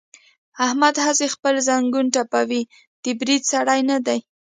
احمد هسې خپل زنګون ټپوي، د برید سړی نه دی.